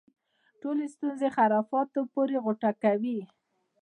ټولې ستونزې خرافاتو پورې غوټه کوي.